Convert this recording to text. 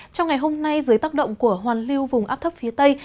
trong ngày hôm nay dưới tác động của hoàn lưu vùng áp thấp phía tây